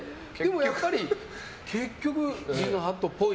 やっぱり結局リンガーハットっぽい。